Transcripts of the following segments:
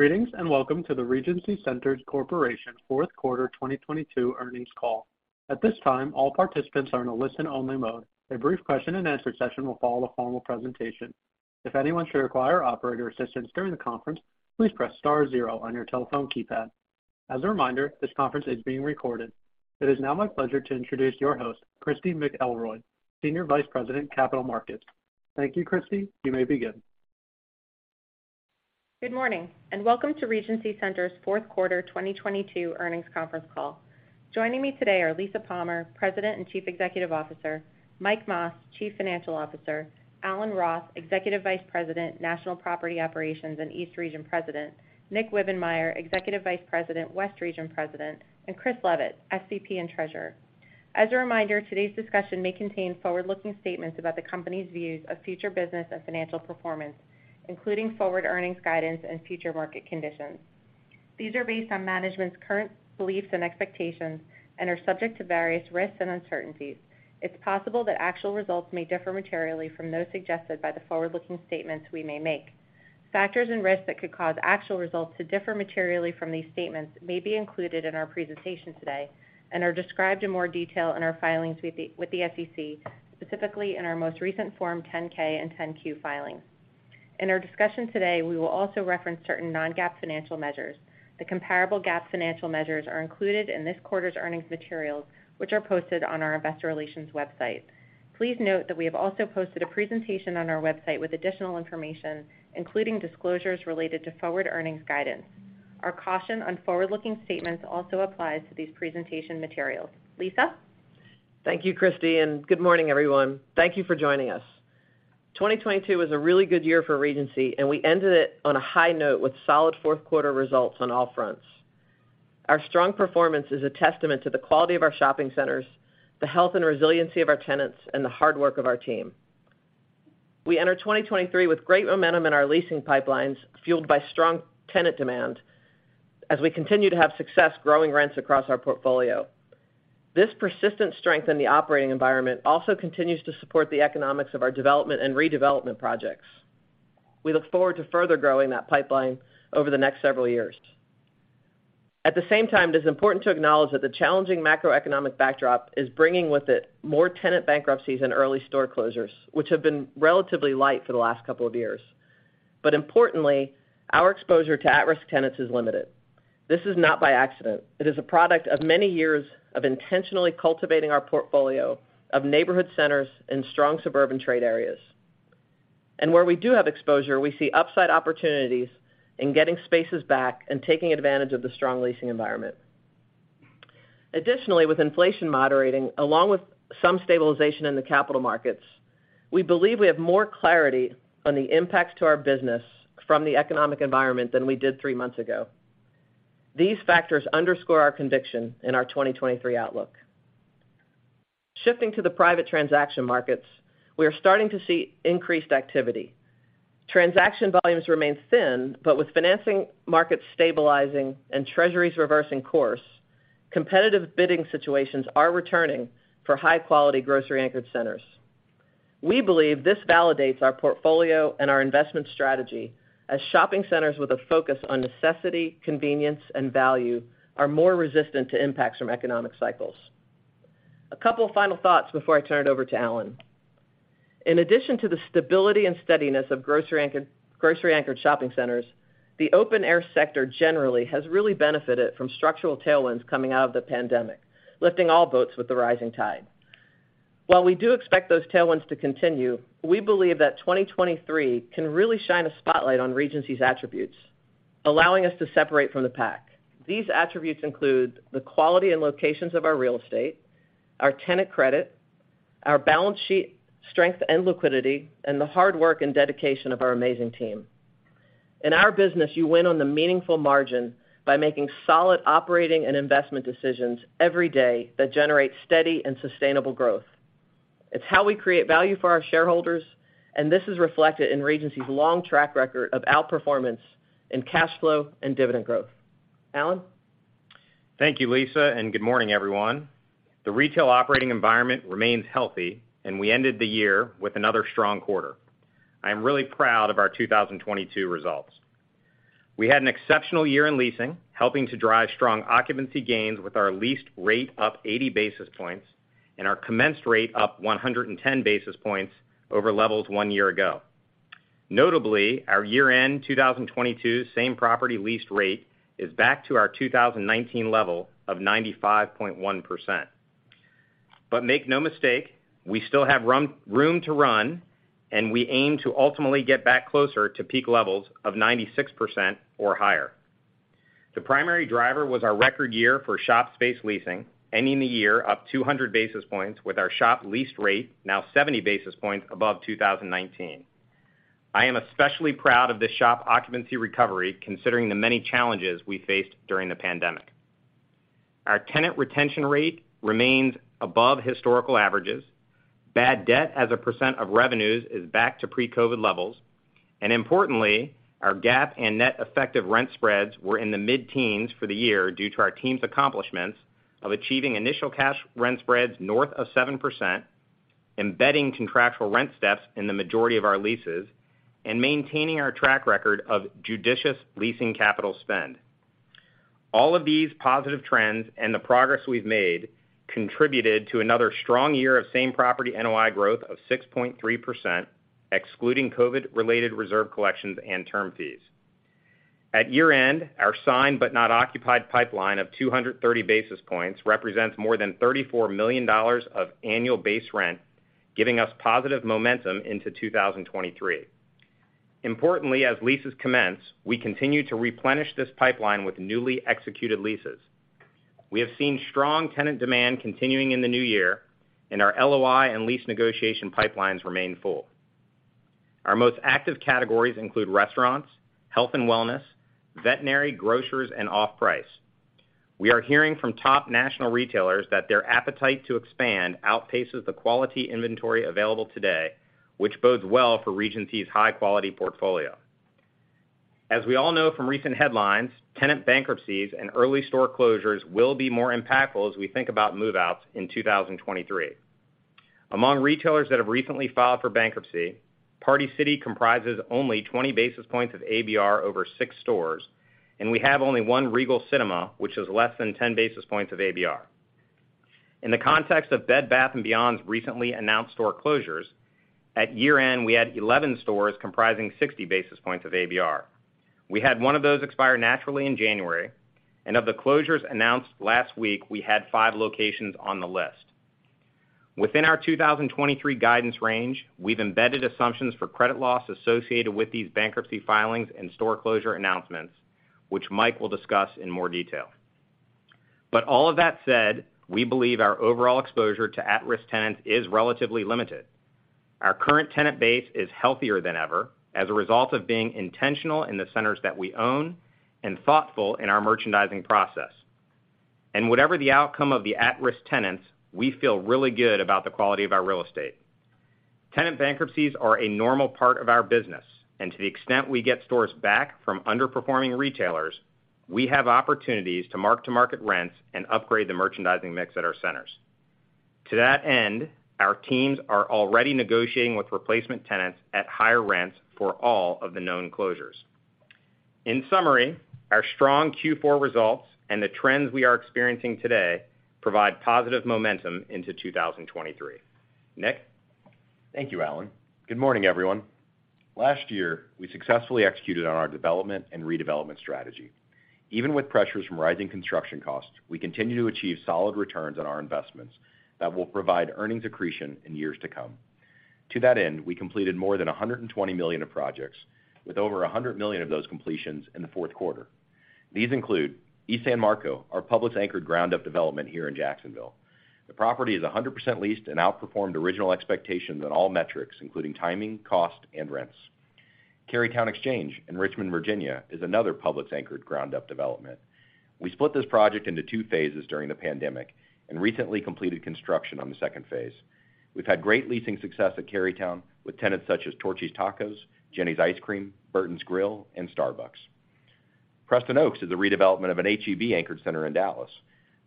Greetings, welcome to the Regency Centers Corporation fourth quarter 2022 earnings call. At this time, all participants are in a listen-only mode. A brief question-and-answer session will follow the formal presentation. If anyone should require operator assistance during the conference, please press star zero on your telephone keypad. As a reminder, this conference is being recorded. It is now my pleasure to introduce your host, Christy McElroy, Senior Vice President, Capital Markets. Thank you, Christy. You may begin. Good morning, and welcome to Regency Centers' 4th quarter 2022 earnings conference call. Joining me today are Lisa Palmer, President and Chief Executive Officer; Mike Mas, Chief Financial Officer; Alan Roth, Executive Vice President, National Property Operations and East Region President; Nick Wibbenmeyer, Executive Vice President, West Region President; and Chris Leavitt, SVP and Treasurer. As a reminder, today's discussion may contain forward-looking statements about the company's views of future business and financial performance, including forward earnings guidance and future market conditions. These are based on management's current beliefs and expectations and are subject to various risks and uncertainties. It's possible that actual results may differ materially from those suggested by the forward-looking statements we may make. Factors and risks that could cause actual results to differ materially from these statements may be included in our presentation today and are described in more detail in our filings with the SEC, specifically in our most recent Form 10-K and 10-Q filings. In our discussion today, we will also reference certain non-GAAP financial measures. The comparable GAAP financial measures are included in this quarter's earnings materials, which are posted on our investor relations website. Please note that we have also posted a presentation on our website with additional information, including disclosures related to forward earnings guidance. Our caution on forward-looking statements also applies to these presentation materials. Lisa? Thank you, Christy. Good morning, everyone. Thank you for joining us. 2022 was a really good year for Regency. We ended it on a high note with solid fourth quarter results on all fronts. Our strong performance is a testament to the quality of our shopping centers, the health and resiliency of our tenants, and the hard work of our team. We enter 2023 with great momentum in our leasing pipelines, fueled by strong tenant demand as we continue to have success growing rents across our portfolio. This persistent strength in the operating environment also continues to support the economics of our development and redevelopment projects. We look forward to further growing that pipeline over the next several years. At the same time, it is important to acknowledge that the challenging macroeconomic backdrop is bringing with it more tenant bankruptcies and early store closures, which have been relatively light for the last couple of years. Importantly, our exposure to at-risk tenants is limited. This is not by accident. It is a product of many years of intentionally cultivating our portfolio of neighborhood centers in strong suburban trade areas. Where we do have exposure, we see upside opportunities in getting spaces back and taking advantage of the strong leasing environment. Additionally, with inflation moderating along with some stabilization in the capital markets, we believe we have more clarity on the impacts to our business from the economic environment than we did three months ago. These factors underscore our conviction in our 2023 outlook. Shifting to the private transaction markets, we are starting to see increased activity. Transaction volumes remain thin, with financing markets stabilizing and treasuries reversing course, competitive bidding situations are returning for high-quality grocery-anchored centers. We believe this validates our portfolio and our investment strategy as shopping centers with a focus on necessity, convenience, and value are more resistant to impacts from economic cycles. A couple of final thoughts before I turn it over to Alan. In addition to the stability and steadiness of grocery-anchored shopping centers, the open air sector generally has really benefited from structural tailwinds coming out of the pandemic, lifting all boats with the rising tide. We do expect those tailwinds to continue, we believe that 2023 can really shine a spotlight on Regency's attributes, allowing us to separate from the pack. These attributes include the quality and locations of our real estate, our tenant credit, our balance sheet strength and liquidity, and the hard work and dedication of our amazing team. In our business, you win on the meaningful margin by making solid operating and investment decisions every day that generate steady and sustainable growth. It's how we create value for our shareholders. This is reflected in Regency's long track record of outperformance in cash flow and dividend growth. Alan? Thank you, Lisa, and good morning, everyone. The retail operating environment remains healthy, and we ended the year with another strong quarter. I am really proud of our 2022 results. We had an exceptional year in leasing, helping to drive strong occupancy gains with our leased rate up 80 basis points and our commenced rate up 110 basis points over levels one year ago. Notably, our year-end 2022 same-property leased rate is back to our 2019 level of 95.1%. Make no mistake, we still have room to run, and we aim to ultimately get back closer to peak levels of 96% or higher. The primary driver was our record year for shop-space leasing, ending the year up 200 basis points, with our shop-leased rate now 70 basis points above 2019. I am especially proud of this shop occupancy recovery considering the many challenges we faced during the pandemic. Our tenant retention rate remains above historical averages. Bad debt as a % of revenues is back to pre-COVID levels. Importantly, our GAAP and net effective rent spreads were in the mid-teens for the year due to our team's accomplishments of achieving initial cash rent spreads north of 7% embedding contractual rent steps in the majority of our leases and maintaining our track record of judicious leasing capital spend. All of these positive trends and the progress we've made contributed to another strong year of same property NOI growth of 6.3%, excluding COVID-related reserve collections and term fees. At year-end, our signed, but not occupied pipeline of 230 basis points represents more than $34 million of annual base rent, giving us positive momentum into 2023. Importantly, as leases commence, we continue to replenish this pipeline with newly executed leases. We have seen strong tenant demand continuing in the new year and our LOI and lease negotiation pipelines remain full. Our most active categories include restaurants, health and wellness, veterinary, grocers, and off-price. We are hearing from top national retailers that their appetite to expand outpaces the quality inventory available today, which bodes well for Regency's high-quality portfolio. As we all know from recent headlines, tenant bankruptcies and early store closures will be more impactful as we think about move-outs in 2023. Among retailers that have recently filed for bankruptcy, Party City comprises only 20 basis points of ABR over six stores. We have only one Regal Cinemas, which is less than 10 basis points of ABR. In the context of Bed Bath & Beyond's recently announced store closures, at year-end, we had 11 stores comprising 60 basis points of ABR. We had one of those expire naturally in January. Of the closures announced last week, we had five locations on the list. Within our 2023 guidance range, we've embedded assumptions for credit loss associated with these bankruptcy filings and store closure announcements, which Mike will discuss in more detail. All of that said, we believe our overall exposure to at-risk tenants is relatively limited. Our current tenant base is healthier than ever as a result of being intentional in the centers that we own and thoughtful in our merchandising process. Whatever the outcome of the at-risk tenants, we feel really good about the quality of our real estate. Tenant bankruptcies are a normal part of our business, and to the extent we get stores back from underperforming retailers, we have opportunities to mark-to-market rents and upgrade the merchandising mix at our centers. To that end, our teams are already negotiating with replacement tenants at higher rents for all of the known closures. In summary, our strong Q4 results and the trends we are experiencing today provide positive momentum into 2023. Nick. Thank you, Alan. Good morning, everyone. Last year, we successfully executed on our development and redevelopment strategy. Even with pressures from rising construction costs, we continue to achieve solid returns on our investments that will provide earnings accretion in years to come. To that end, we completed more than $120 million of projects with over $100 million of those completions in the fourth quarter. These include East San Marco, our Publix-anchored ground-up development here in Jacksonville. The property is 100% leased and outperformed original expectations on all metrics, including timing, cost, and rents. Carytown Exchange in Richmond, Virginia, is another Publix-anchored ground-up development. We split this project into two phases during the pandemic and recently completed construction on the second phase. We've had great leasing success at Carytown with tenants such as Torchy's Tacos, Jeni's Ice Creams, Burtons Grill, and Starbucks. Preston Oaks is a redevelopment of an H-E-B anchored center in Dallas.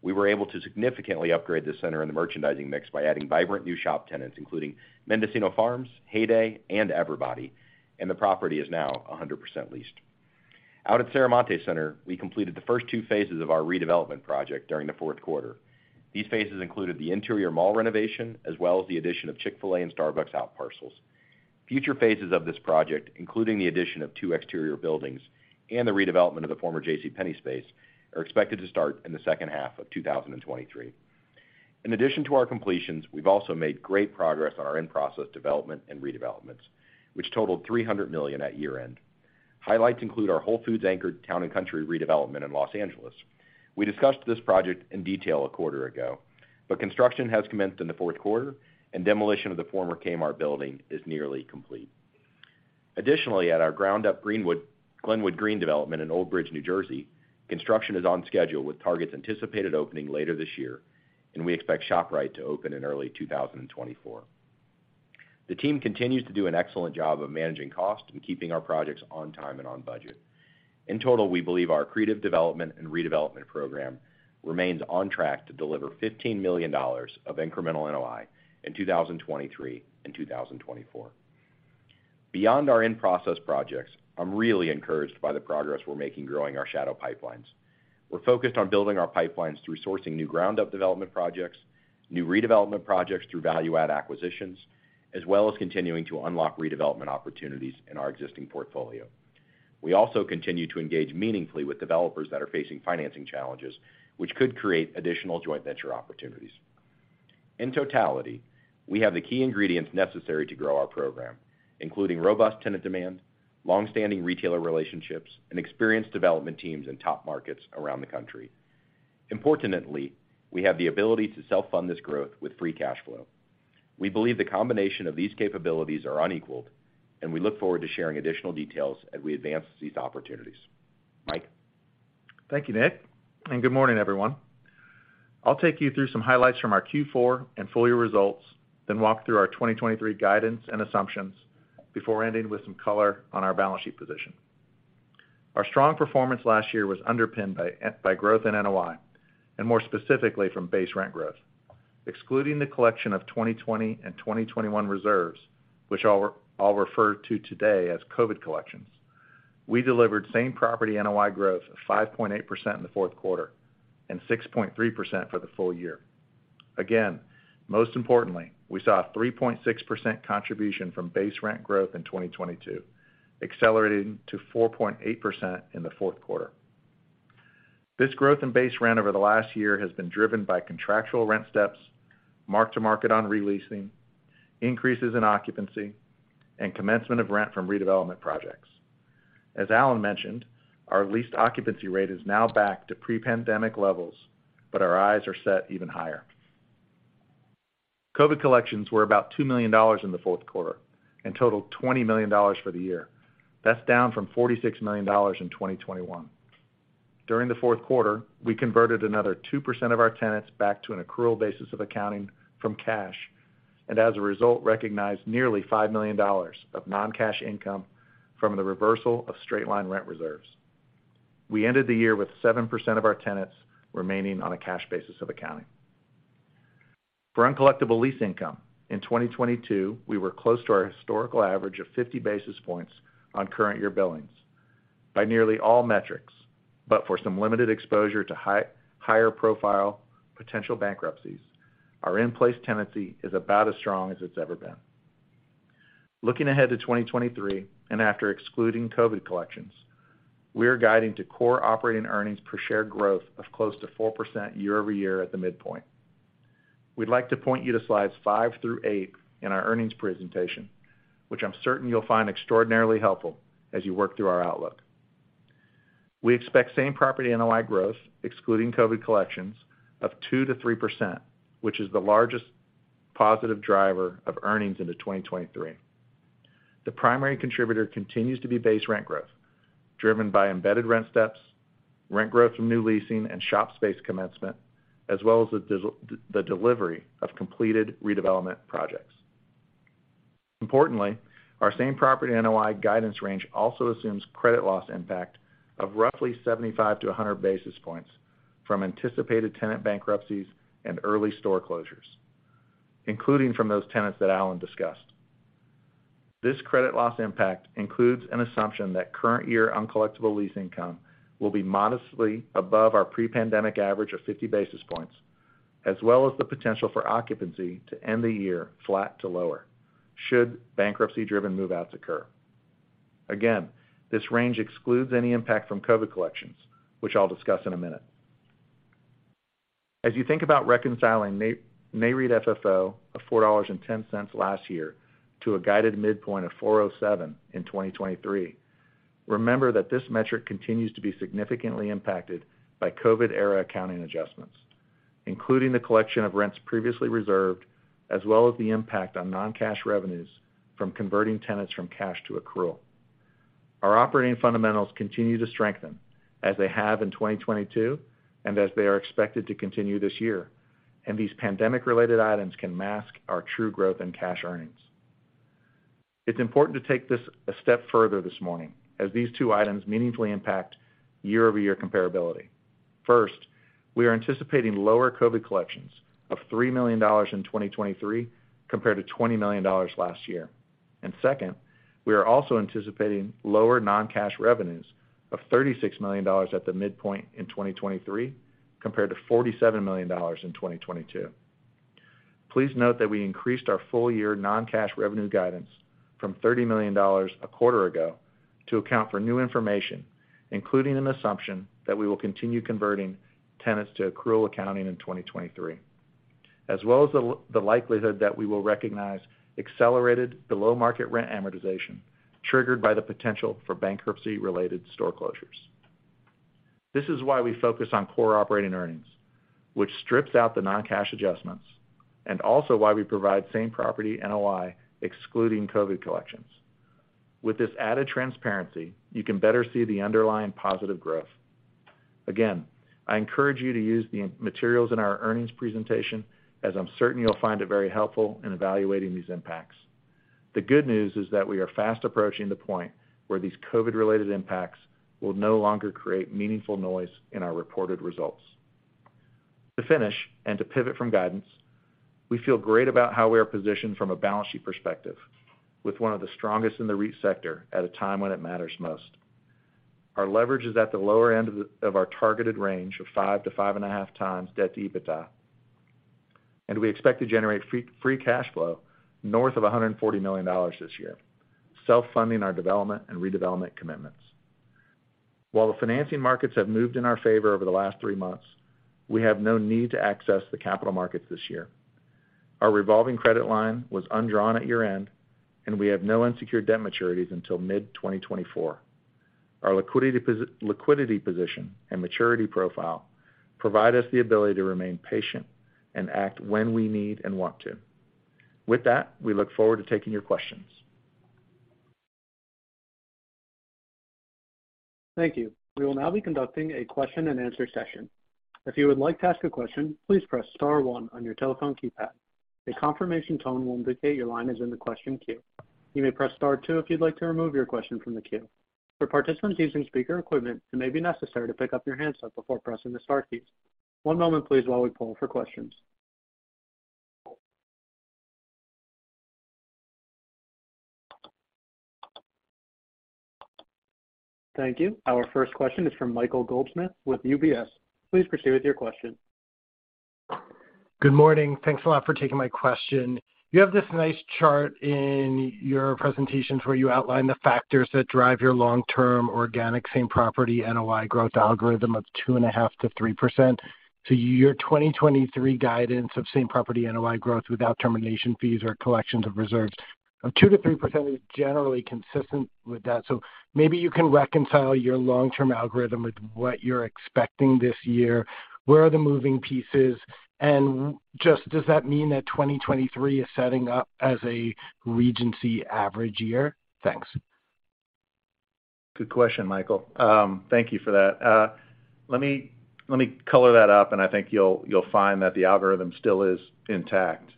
We were able to significantly upgrade this center in the merchandising mix by adding vibrant new shop tenants, including Mendocino Farms, Heyday, and Ever/Body, and the property is now 100% leased. Out at Serramonte Center, we completed the first two phases of our redevelopment project during the fourth quarter. These phases included the interior mall renovation as well as the addition of Chick-fil-A and Starbucks outparcels. Future phases of this project, including the addition of two exterior buildings and the redevelopment of the former JCPenney space, are expected to start in the second half of 2023. In addition to our completions, we've also made great progress on our in-process development and redevelopments, which totaled $300 million at year-end. Highlights include our Whole Foods anchored Town & Country redevelopment in Los Angeles. We discussed this project in detail a quarter ago, but construction has commenced in the fourth quarter and demolition of the former Kmart building is nearly complete. Additionally, at our ground-up Glenwood Green development in Old Bridge, New Jersey, construction is on schedule with targets anticipated opening later this year, and we expect ShopRite to open in early 2024. The team continues to do an excellent job of managing cost and keeping our projects on time and on budget. In total, we believe our accretive development and redevelopment program remains on track to deliver $15 million of incremental NOI in 2023 and 2024. Beyond our in-process projects, I'm really encouraged by the progress we're making growing our shadow pipelines. We're focused on building our pipelines through sourcing new ground-up development projects, new redevelopment projects through value add acquisitions, as well as continuing to unlock redevelopment opportunities in our existing portfolio. We also continue to engage meaningfully with developers that are facing financing challenges, which could create additional joint venture opportunities. In totality, we have the key ingredients necessary to grow our program, including robust tenant demand, long-standing retailer relationships, and experienced development teams in top markets around the country. Importantly, we have the ability to self-fund this growth with free cash flow. We believe the combination of these capabilities are unequaled, and we look forward to sharing additional details as we advance these opportunities. Mike. Thank you, Nick. Good morning, everyone. I'll take you through some highlights from our Q4 and full-year results, then walk through our 2023 guidance and assumptions before ending with some color on our balance sheet position. Our strong performance last year was underpinned by growth in NOI and more specifically from base rent growth. Excluding the collection of 2020 and 2021 reserves, which I'll refer to today as COVID collections, we delivered same property NOI growth of 5.8% in the fourth quarter and 6.3% for the full year. Most importantly, we saw a 3.6% contribution from base rent growth in 2022, accelerating to 4.8% in the fourth quarter. This growth in base rent over the last year has been driven by contractual rent steps, mark-to-market on re-leasing, increases in occupancy and commencement of rent from redevelopment projects. As Alan mentioned, our leased occupancy rate is now back to pre-pandemic levels, but our eyes are set even higher. COVID collections were about $2 million in the fourth quarter and totaled $20 million for the year. That's down from $46 million in 2021. During the fourth quarter, we converted another 2% of our tenants back to an accrual basis of accounting from cash and as a result, recognized nearly $5 million of non-cash income from the reversal of straight-line rent reserves. We ended the year with 7% of our tenants remaining on a cash basis of accounting. For uncollectible lease income, in 2022, we were close to our historical average of 50 basis points on current year billings by nearly all metrics, but for some limited exposure to higher profile potential bankruptcies. Our in-place tenancy is about as strong as it's ever been. Looking ahead to 2023 and after excluding COVID collections, we are guiding to core operating earnings per share growth of close to 4% year-over-year at the midpoint. We'd like to point you to slides five through eight in our earnings presentation, which I'm certain you'll find extraordinarily helpful as you work through our outlook. We expect same-property NOI growth, excluding COVID collections, of 2%-3%, which is the largest positive driver of earnings into 2023. The primary contributor continues to be base rent growth, driven by embedded rent steps, rent growth from new leasing and shop space commencement, as well as the delivery of completed redevelopment projects. Importantly, our same-property NOI guidance range also assumes credit loss impact of roughly 75-100 basis points from anticipated tenant bankruptcies and early store closures, including from those tenants that Alan discussed. This credit loss impact includes an assumption that current year uncollectible lease income will be modestly above our pre-pandemic average of 50 basis points, as well as the potential for occupancy to end the year flat to lower should bankruptcy driven move-outs occur. This range excludes any impact from COVID collections, which I'll discuss in a minute. As you think about reconciling Nareit FFO of $4.10 last year to a guided midpoint of $4.07 in 2023, remember that this metric continues to be significantly impacted by COVID era accounting adjustments, including the collection of rents previously reserved, as well as the impact on non-cash revenues from converting tenants from cash to accrual. Our operating fundamentals continue to strengthen as they have in 2022 and as they are expected to continue this year. These pandemic related items can mask our true growth in cash earnings. It's important to take this a step further this morning as these two items meaningfully impact year-over-year comparability. First, we are anticipating lower COVID collections of $3 million in 2023 compared to $20 million last year. Second, we are also anticipating lower non-cash revenues of $36 million at the midpoint in 2023 compared to $47 million in 2022. Please note that we increased our full year non-cash revenue guidance from $30 million a quarter ago to account for new information, including an assumption that we will continue converting tenants to accrual accounting in 2023, as well as the likelihood that we will recognize accelerated below-market rent amortization triggered by the potential for bankruptcy-related store closures. This is why we focus on core operating earnings, which strips out the non-cash adjustments, and also why we provide same property NOI excluding COVID collections. With this added transparency, you can better see the underlying positive growth. I encourage you to use the materials in our earnings presentation as I'm certain you'll find it very helpful in evaluating these impacts. The good news is that we are fast approaching the point where these COVID-related impacts will no longer create meaningful noise in our reported results. To finish and to pivot from guidance, we feel great about how we are positioned from a balance sheet perspective with one of the strongest in the REIT sector at a time when it matters most. Our leverage is at the lower end of our targeted range of 5x-5.5x debt to EBITDA, and we expect to generate free cash flow north of $140 million this year, self-funding our development and redevelopment commitments. While the financing markets have moved in our favor over the last three months, we have no need to access the capital markets this year. Our revolving credit line was undrawn at year-end and we have no unsecured debt maturities until mid-2024. Our liquidity position and maturity profile provide us the ability to remain patient and act when we need and want to. With that, we look forward to taking your questions. Thank you. We will now be conducting a question and answer session. If you would like to ask a question, please press star one on your telephone keypad. A confirmation tone will indicate your line is in the question queue. You may press star two if you'd like to remove your question from the queue. For participants using speaker equipment, it may be necessary to pick up your handset before pressing the star keys. One moment please while we poll for questions. Thank you. Our first question is from Michael Goldsmith with UBS. Please proceed with your question. Good morning. Thanks a lot for taking my question. You have this nice chart in your presentations where you outline the factors that drive your long-term organic same-property NOI growth algorithm of 2.5%-3%. Your 2023 guidance of same-property NOI growth without termination fees or collections of reserves of 2%-3% is generally consistent with that. Maybe you can reconcile your long-term algorithm with what you're expecting this year. Where are the moving pieces? Just does that mean that 2023 is setting up as a Regency average year? Thanks. Good question, Michael. Thank you for that. Let me color that up, and I think you'll find that the algorithm still is intact.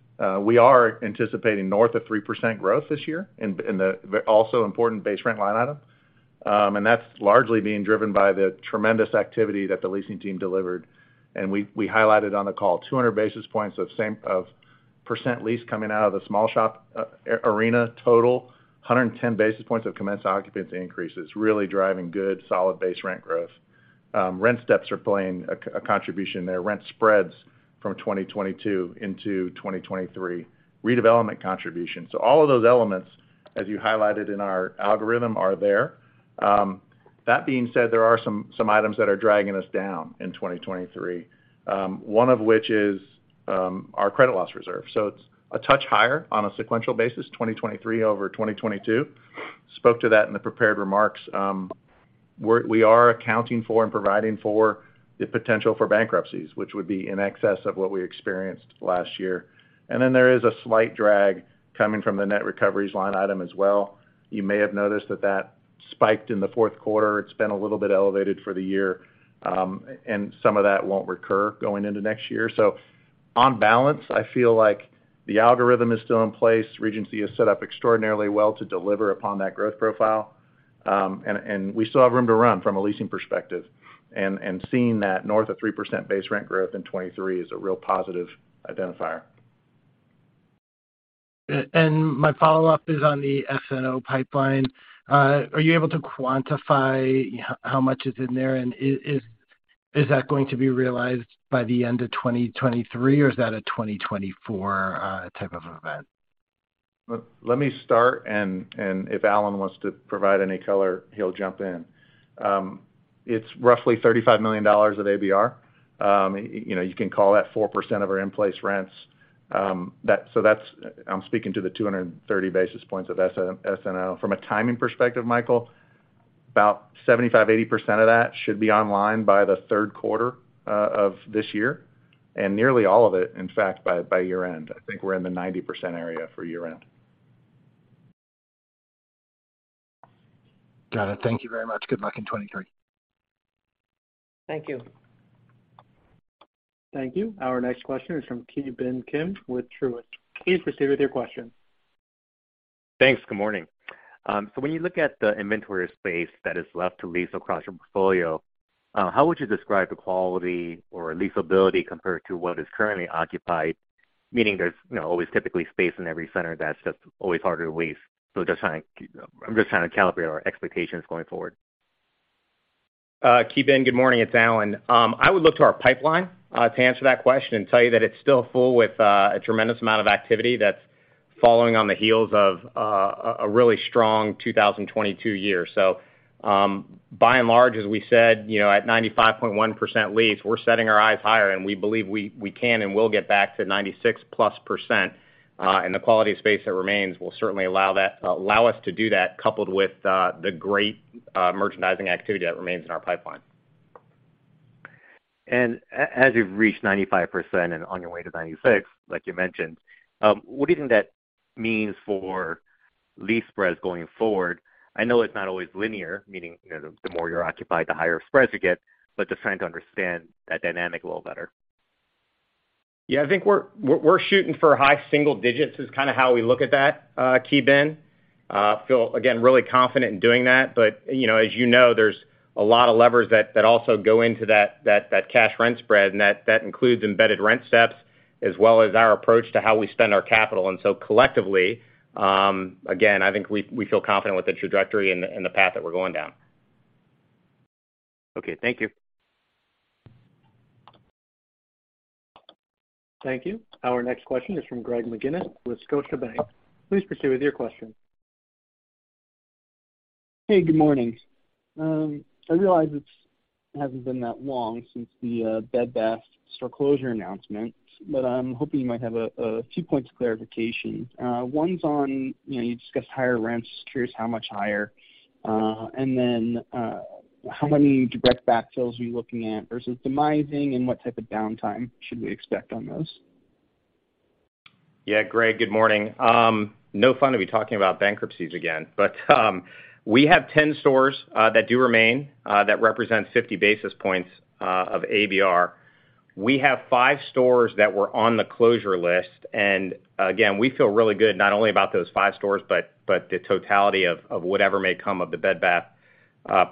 We are anticipating north of 3% growth this year in the also important base-rent line item. That's largely being driven by the tremendous activity that the leasing team delivered. We highlighted on the call 200 basis points of percent lease coming out of the small shop arena total. 110 basis points of commence occupancy increases, really driving good, solid base rent growth. Rent steps are playing a contribution there. Rent spreads from 2022 into 2023. Redevelopment contributions. All of those elements, as you highlighted in our algorithm, are there. That being said, there are some items that are dragging us down in 2023, one of which is our credit loss reserve. It's a touch higher on a sequential basis, 2023 over 2022. Spoke to that in the prepared remarks. We are accounting for and providing for the potential for bankruptcies, which would be in excess of what we experienced last year. Then there is a slight drag coming from the net-recoveries line item as well. You may have noticed that that spiked in the fourth quarter. It's been a little bit elevated for the year, and some of that won't recur going into next year. On balance, I feel like the algorithm is still in place. Regency is set up extraordinarily well to deliver upon that growth profile. We still have room to run from a leasing perspective. Seeing that north of 3% base rent growth in 2023 is a real positive identifier. My follow-up is on the SNO pipeline. Are you able to quantify how much is in there, and is that going to be realized by the end of 2023, or is that a 2024 type of event? Let me start, and if Allen wants to provide any color, he'll jump in. It's roughly $35 million of ABR. You know, you can call that 4% of our in-place rents. I'm speaking to the 230 basis points of SNO. From a timing perspective, Michael, about 75%, 80% of that should be online by the third quarter of this year, and nearly all of it, in fact, by year-end. I think we're in the 90% area for year-end. Got it. Thank you very much. Good luck in 2023. Thank you. Thank you. Our next question is from Ki Bin Kim with Truist. Please proceed with your question. Thanks. Good morning. When you look at the inventory space that is left to lease across your portfolio, how would you describe the quality or leasability compared to what is currently occupied? Meaning there's, you know, always typically space in every center that's just always harder to lease. I'm just trying to calibrate our expectations going forward. Ki Bin, good morning. It's Alan. I would look to our pipeline to answer that question and tell you that it's still full with a tremendous amount of activity that's following on the heels of a really strong 2022 year. By and large, as we said, you know, at 95.1% lease, we're setting our eyes higher, and we believe we can and will get back to 96%+. The quality of space that remains will certainly allow us to do that, coupled with the great merchandising activity that remains in our pipeline. As you've reached 95% and on your way to 96%, like you mentioned, what do you think that means for lease spreads going forward? I know it's not always linear, meaning, you know, the more you're occupied, the higher spreads you get, but just trying to understand that dynamic a little better. Yeah. I think we're shooting for high single digits is kind of how we look at that, Ki Bin. Feel, again, really confident in doing that. You know, as you know, there's a lot of levers that also go into that cash-rent spread, and that includes embedded rent steps as well as our approach to how we spend our capital. Collectively, again, I think we feel confident with the trajectory and the path that we're going down. Okay. Thank you. Thank you. Our next question is from Greg McGinniss with Scotiabank. Please proceed with your question. Hey, good morning. I realize it's hasn't been that long since the Bed Bath store closure announcement, but I'm hoping you might have two points of clarification. One's on, you know, you discussed higher rents. Just curious how much higher? How many direct backfills are you looking at versus demising, and what type of downtime should we expect on those? Yeah. Greg, good morning. No fun to be talking about bankruptcies again. We have 10 stores that do remain that represent 50 basis points of ABR. We have five stores that were on the closure list. Again, we feel really good not only about those five stores, but the totality of whatever may come of the Bed Bath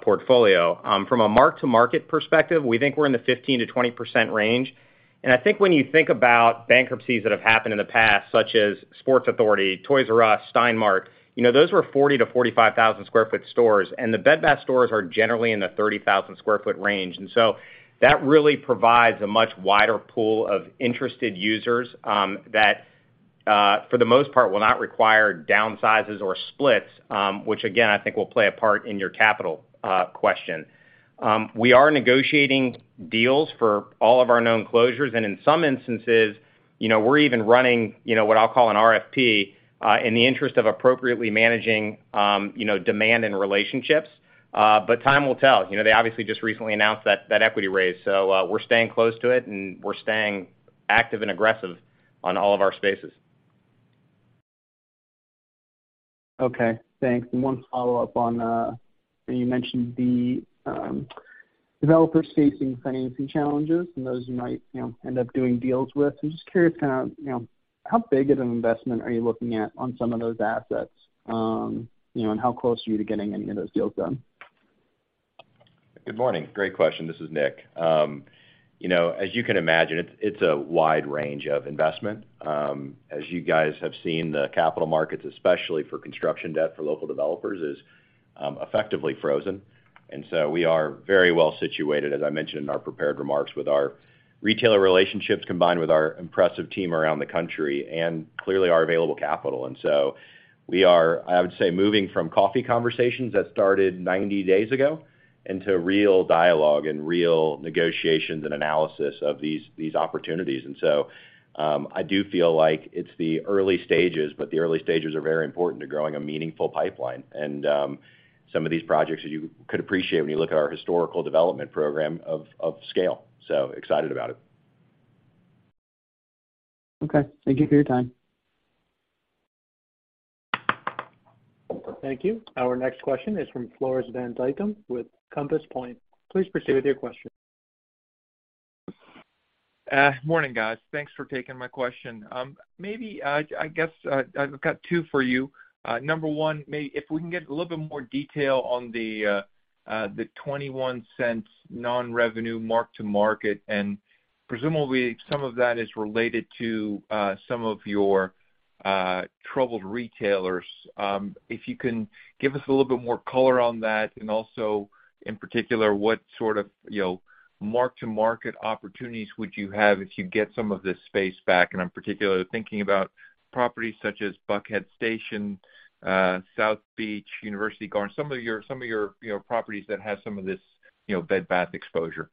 portfolio. From a mark-to-market perspective, we think we're in the 15%-20% range. I think when you think about bankruptcies that have happened in the past, such as Sports Authority, Toys"R"Us, Stein Mart, you know, those were 40,000-45,000 sq ft stores, and the Bed Bath stores are generally in the 30,000 sq ft range. That really provides a much wider pool of interested users that for the most part will not require downsizes or splits, which again, I think will play a part in your capital question. We are negotiating deals for all of our known closures, and in some instances, you know, we're even running, you know, what I'll call an RFP in the interest of appropriately managing, demand and relationships. Time will tell. You know, they obviously just recently announced that equity raise. We're staying close to it, and we're staying active and aggressive on all of our spaces. Okay, thanks. One follow-up on, you mentioned the developers facing financing challenges and those you might, you know, end up doing deals with. I'm just curious, kind of, you know, how big of an investment are you looking at on some of those assets, you know, and how close are you to getting any of those deals done? Good morning. Great question. This is Nick. You know, as you can imagine, it's a wide range of investment. As you guys have seen, the capital markets, especially for construction debt for local developers, is effectively frozen. We are very well situated, as I mentioned in our prepared remarks, with our retailer relationships combined with our impressive team around the country and clearly our available capital. We are, I would say, moving from coffee conversations that started 90 days ago into real dialogue and real negotiations and analysis of these opportunities. I do feel like it's the early stages, but the early stages are very important to growing a meaningful pipeline. Some of these projects, as you could appreciate when you look at our historical development program of scale, so excited about it. Okay. Thank you for your time. Thank you. Our next question is from Floris van Dijkum with Compass Point. Please proceed with your question. Morning, guys. Thanks for taking my question. Maybe, I guess, I've got two for you. Number one, if we can get a little bit more detail on the $0.21 non-revenue mark-to-market, and presumably some of that is related to some of your troubled retailers. If you can give us a little bit more color on that. Also, in particular, what sort of, you know, mark-to-market opportunities would you have if you get some of this space back? I'm particularly thinking about properties such as Buckhead Station, South Beach, University Gardens, some of your, some of your, you know, properties that have some of this, you know, Bed Bath exposure.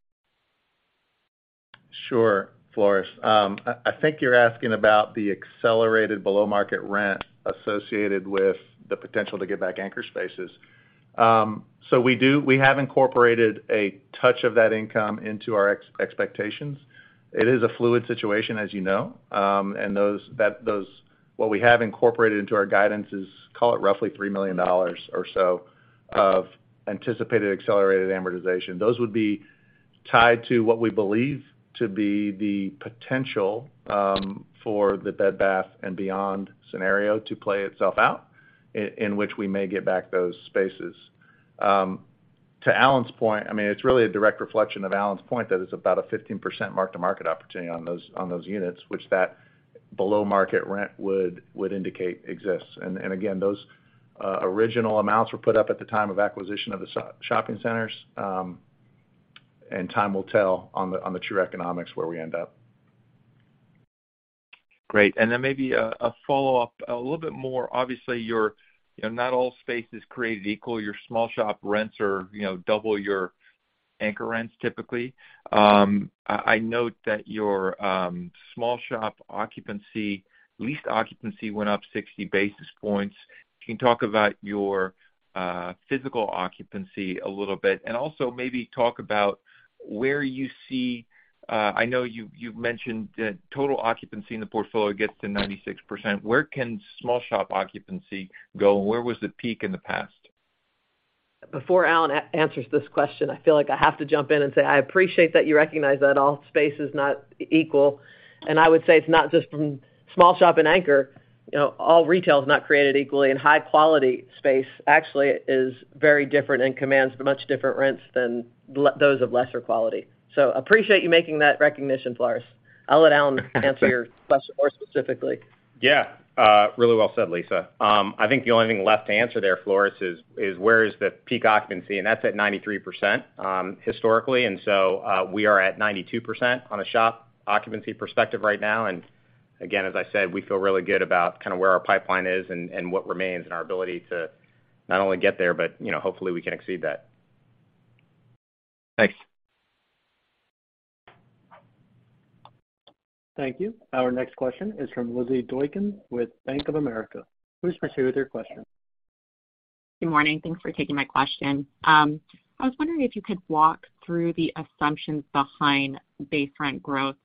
Sure, Floris. I think you're asking about the accelerated below market rent associated with the potential to give back anchor spaces. We do. We have incorporated a touch of that income into our expectations. It is a fluid situation, as you know, and what we have incorporated into our guidance is, call it roughly $3 million or so of anticipated accelerated amortization. Those would be tied to what we believe to be the potential for the Bed Bath & Beyond scenario to play itself out in which we may get back those spaces. To Alan's point, I mean, it's really a direct reflection of Alan's point that it's about a 15% mark-to-market opportunity on those units, which that below-market rent would indicate exists. Again, those original amounts were put up at the time of acquisition of the shopping centers, and time will tell on the true economics where we end up. Great. Then maybe a follow-up, a little bit more. Obviously, your, you know, not all space is created equal. Your small shop rents are, you know, double your anchor rents typically. I note that your small-shop occupancy, lease occupancy went up 60 basis points. Can you talk about your physical occupancy a little bit? Also maybe talk about where you see, I know you've mentioned that total occupancy in the portfolio gets to 96%. Where can small-shop occupancy go, and where was the peak in the past? Before Alan answers this question, I feel like I have to jump in and say I appreciate that you recognize that all space is not equal. I would say it's not just from small shop and anchor, you know, all retail is not created equally, and high-quality space actually is very different and commands much different rents than those of lesser quality. Appreciate you making that recognition, Floris. I'll let Alan answer your question more specifically. Yeah, really well said, Lisa. I think the only thing left to answer there, Floris, is where is the peak occupancy, and that's at 93% historically. We are at 92% on a shop occupancy perspective right now. Again, as I said, we feel really good about kind of where our pipeline is and what remains and our ability to not only get there, but you know, hopefully, we can exceed that. Thanks. Thank you. Our next question is from Lizzy Doykan with Bank of America. Please proceed with your question. Good morning. Thanks for taking my question. I was wondering if you could walk through the assumptions behind base-rent growth,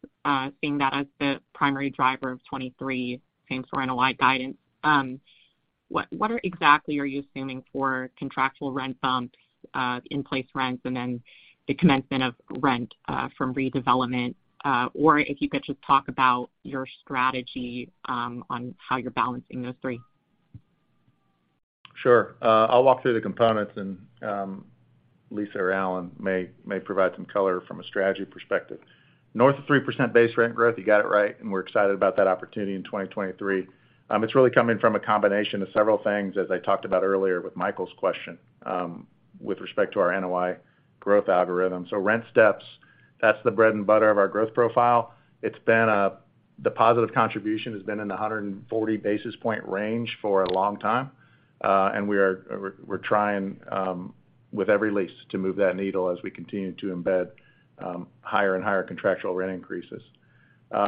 seeing that as the primary driver of 2023 same-store NOI guidance. What exactly are you assuming for contractual-rent bumps, in-place rents, and then the commencement of rent from redevelopment? Or if you could just talk about your strategy on how you're balancing those three. Sure. I'll walk through the components and Lisa or Alan may provide some color from a strategy perspective. North of 3% base-rent growth, you got it right. We're excited about that opportunity in 2023. It's really coming from a combination of several things, as I talked about earlier with Michael's question, with respect to our NOI growth algorithm. Rent steps, that's the bread and butter of our growth profile. It's been the positive contribution has been in the 140 basis point range for a long time. We're trying with every lease to move that needle as we continue to embed higher and higher contractual rent increases.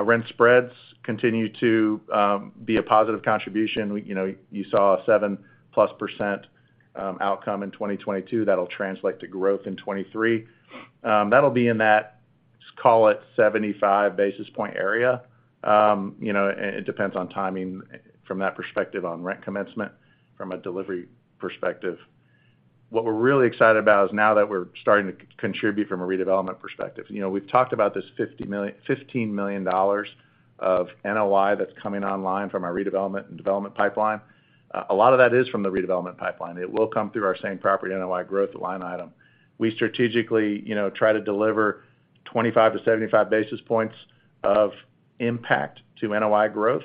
Rent spreads continue to be a positive contribution. You know, you saw a 7%+ outcome in 2022 that'll translate to growth in 2023. That'll be in that, let's call it, 75 basis point area. You know, and it depends on timing from that perspective on rent commencement from a delivery perspective. What we're really excited about is now that we're starting to contribute from a redevelopment perspective. You know, we've talked about this $15 million of NOI that's coming online from our redevelopment and development pipeline. A lot of that is from the redevelopment pipeline. It will come through our same-property NOI growth line item. We strategically, you know, try to deliver 25-75 basis points of impact to NOI growth.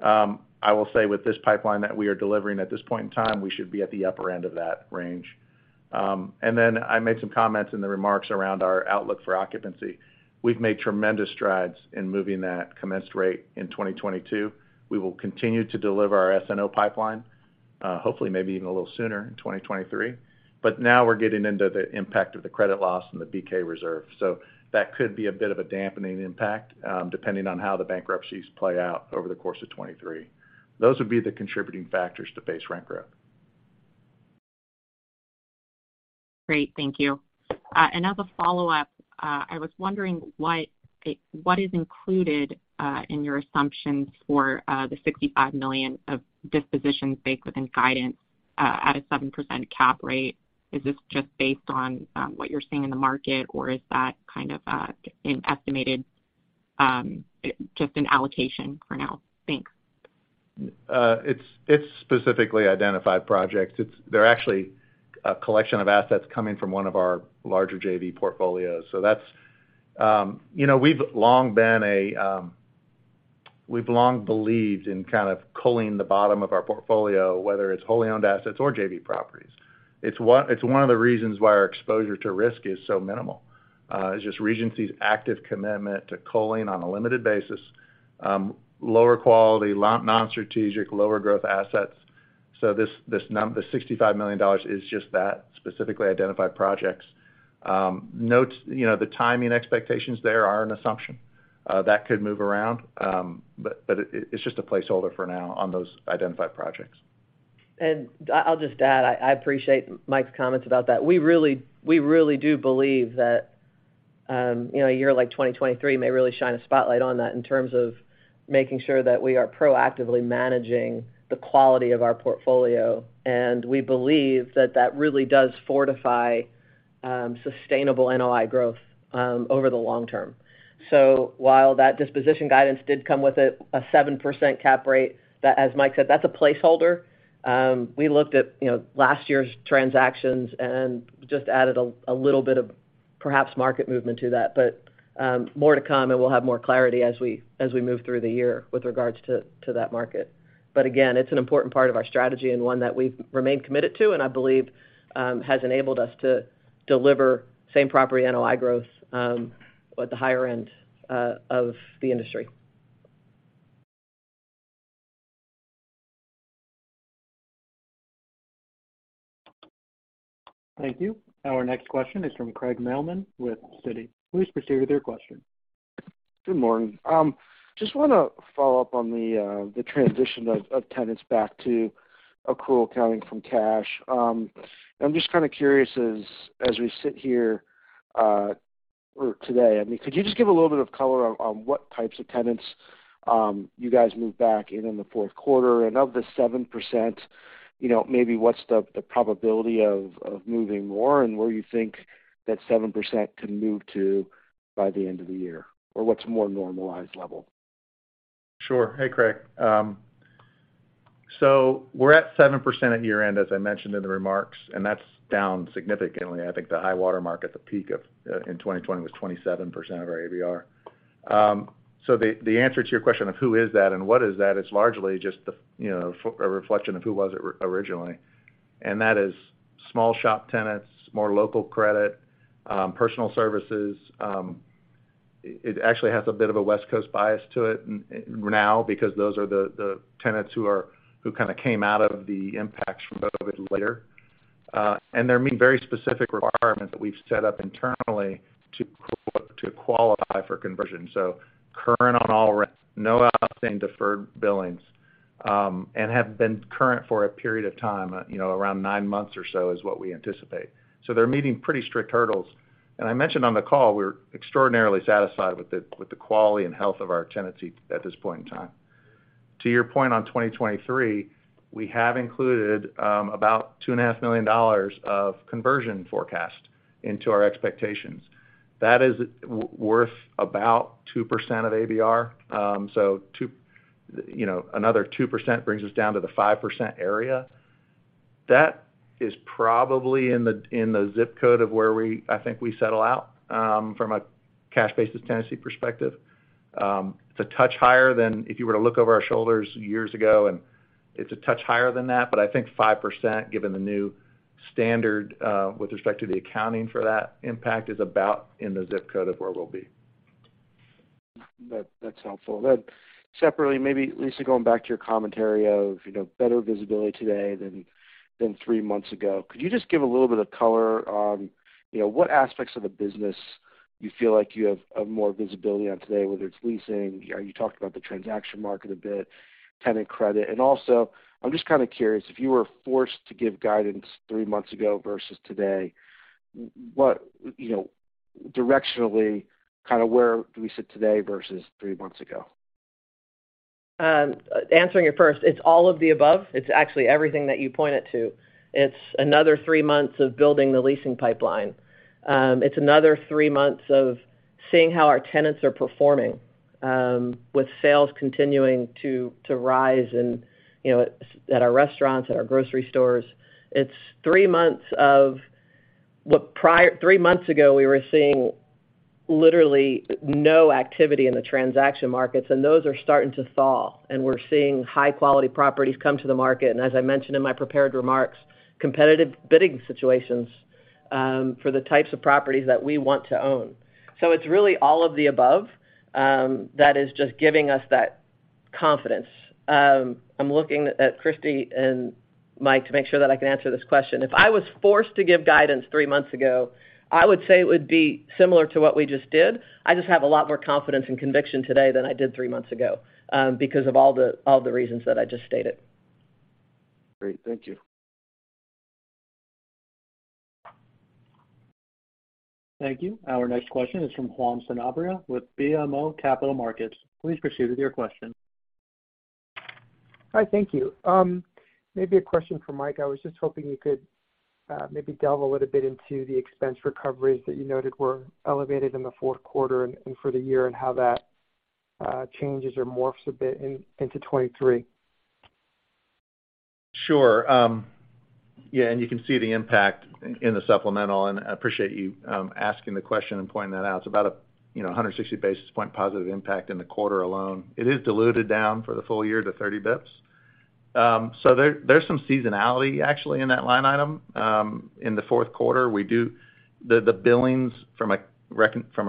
I will say with this pipeline that we are delivering at this point in time, we should be at the upper end of that range. I made some comments in the remarks around our outlook for occupancy. We've made tremendous strides in moving that commenced rate in 2022. We will continue to deliver our SNO pipeline, hopefully maybe even a little sooner in 2023. Now we're getting into the impact of the credit loss and the BK reserve. That could be a bit of a dampening impact, depending on how the bankruptcies play out over the course of 2023. Those would be the contributing factors to base-rent growth. Great. Thank you. As a follow-up, I was wondering what is included, in your assumptions for, the $65 million of dispositions baked within guidance, at a 7% cap rate. Is this just based on, what you're seeing in the market, or is that kind of, an estimated, just an allocation for now? Thanks. It's specifically identified projects. They're actually a collection of assets coming from one of our larger JV portfolios. That's, you know, we've long believed in kind of culling the bottom of our portfolio, whether it's wholly owned assets or JV properties. It's one of the reasons why our exposure to risk is so minimal. It's just Regency's active commitment to culling on a limited basis, lower-quality, non-strategic, lower-growth assets. The $65 million is just that, specifically identified projects. Note, you know, the timing expectations there are an assumption that could move around. It's just a placeholder for now on those identified projects. I appreciate Mike Mas' comments about that. We really do believe that, you know, a year like 2023 may really shine a spotlight on that in terms of making sure that we are proactively managing the quality of our portfolio. We believe that really does fortify sustainable NOI growth over the long term. While that disposition guidance did come with a 7% cap rate, that, as Mike Mas said, that's a placeholder. We looked at, you know, last year's transactions and just added a little bit of perhaps market movement to that. More to come, and we'll have more clarity as we move through the year with regards to that market. Again, it's an important part of our strategy and one that we've remained committed to, and I believe, has enabled us to deliver same property NOI growth at the higher end of the industry. Thank you. Our next question is from Craig Mailman with Citi. Please proceed with your question. Good morning. Just wanna follow up on the transition of tenants back to accrual accounting from cash. I'm just kind of curious as we sit here, or today, I mean, could you just give a little bit of color on what types of tenants you guys moved back in in the fourth quarter? Of the 7%, you know, maybe what's the probability of moving more and where you think that 7% can move to by the end of the year, or what's a more normalized level? Sure. Hey, Craig. We're at 7% at year-end, as I mentioned in the remarks, and that's down significantly. I think the high-water mark at the peak of in 2020 was 27% of our ABR. The answer to your question of who is that and what is that is largely just the, you know, a reflection of who was it originally. That is small-shop tenants, more local credit, personal services. It actually has a bit of a West Coast bias to it now because those are the tenants who kind of came out of the impacts from COVID later. They're meeting very specific requirements that we've set up internally to qualify for conversion. Current on all rents, no outstanding deferred billings, and have been current for a period of time, you know, around nine months or so is what we anticipate. They're meeting pretty strict hurdles. I mentioned on the call, we're extraordinarily satisfied with the quality and health of our tenancy at this point in time. To your point on 2023, we have included about $2.5 million of conversion forecast into our expectations. That is worth about 2% of ABR. 2%, you know, another 2% brings us down to the 5% area. That is probably in the ZIP Code of where we, I think we settle out from a cash-basis tenancy perspective. It's a touch higher than if you were to look over our shoulders years ago, and it's a touch higher than that, but I think 5%, given the new standard, with respect to the accounting for that impact, is about in the ZIP Code of where we'll be. That's helpful. Separately, maybe Lisa, going back to your commentary of, you know, better visibility today than three months ago. Could you just give a little bit of color on, you know, what aspects of the business you feel like you have more visibility on today, whether it's leasing? You talked about the transaction market a bit, tenant credit. Also, I'm just kind of curious, if you were forced to give guidance three months ago versus today, what, you know, directionally kind of where do we sit today versus three months ago? Answering you first, it's all of the above. It's actually everything that you pointed to. It's another three months of building the leasing pipeline. It's another three months of seeing how our tenants are performing, with sales continuing to rise and, you know, at our restaurants, at our grocery stores. It's three months of what three months ago, we were seeing literally no activity in the transaction markets, and those are starting to thaw, and we're seeing high-quality properties come to the market. As I mentioned in my prepared remarks, competitive bidding situations for the types of properties that we want to own. It's really all of the above that is just giving us that confidence. I'm looking at Christy and Mike to make sure that I can answer this question. If I was forced to give guidance three months ago, I would say it would be similar to what we just did. I just have a lot more confidence and conviction today than I did three months ago, because of all the, all the reasons that I just stated. Great. Thank you. Thank you. Our next question is from Juan Sanabria with BMO Capital Markets. Please proceed with your question. Hi, thank you. Maybe a question for Mike. I was just hoping you could maybe delve a little bit into the expense recoveries that you noted were elevated in the fourth quarter and for the year and how that changes or morphs a bit into 2023. Sure. You can see the impact in the supplemental, and I appreciate you asking the question and pointing that out. It's about, you know, 160 basis points positive impact in the quarter alone. It is diluted down for the full year to 30 basis points. There, there's some seasonality actually in that line item. In the fourth quarter, we do the billings from a